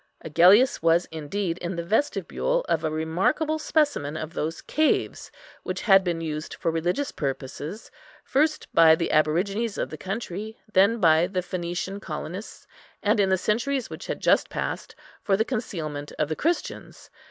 Agellius was indeed in the vestibule of a remarkable specimen of those caves which had been used for religious purposes, first by the aborigines of the country, then by the Phœnician colonists, and in the centuries which had just passed, for the concealment of the Christians.